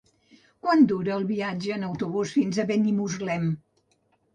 Quant dura el viatge en autobús fins a Benimuslem?